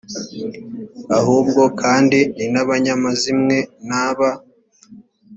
ahubwo kandi ni n abanyamazimwe na ba